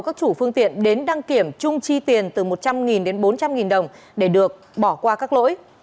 các chủ phương tiện đến đăng kiểm chung chi tiền từ một trăm linh đến bốn trăm linh đồng để được bỏ qua các lỗi